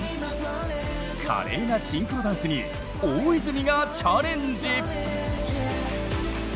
華麗なシンクロダンスに大泉がチャレンジ！